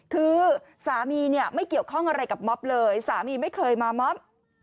คือสามีเนี่ยไม่เกี่ยวข้องอะไรกับม็อบเลยสามีไม่เคยมามอบ